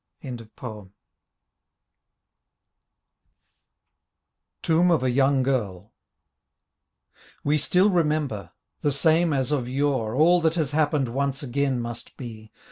41 TOMB OF A YOUNG GIRL We still remember! The same as of yore All that has happened once again must be.